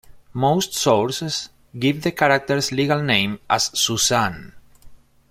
Most sources give the character's legal name as Suzanne.